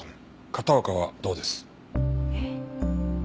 片岡はどうです？え？